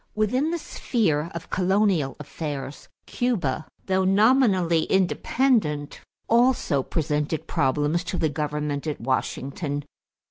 = Within the sphere of colonial affairs, Cuba, though nominally independent, also presented problems to the government at Washington.